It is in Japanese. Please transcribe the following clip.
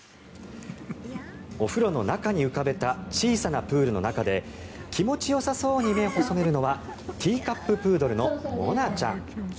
お風呂の中に浮かべた小さなプールの中で気持ちよさそうに目を細めるのはティーカップ・プードルのもなちゃん。